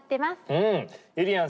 うん。